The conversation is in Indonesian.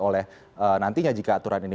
oleh nantinya jika aturan ini